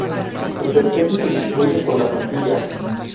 Sus especies se distribuyen por las Antillas.